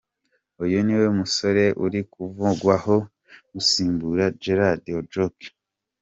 Uyu ni we musore uri kuvugwaho gusimbura Gerald Ojok.